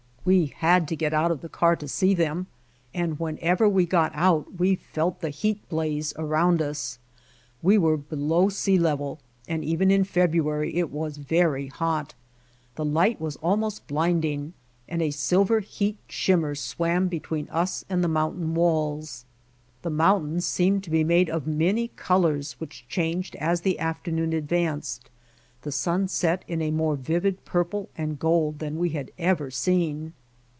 We had to get out of the car to see them, and whenever we got out we felt the heat blaze around us. We were below sea level and even in February it was very hot. The light was almost blinding, and a silver heat shimmer swam between us and the mountain walls. The mountains seemed to be of many colors which changed as the afternoon advanced. The sun set in a more vivid purple and gold than we had ever seen.